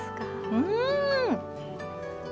うん！